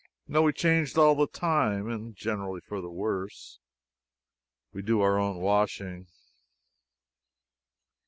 No, we change all the time, and generally for the worse. We do our own washing.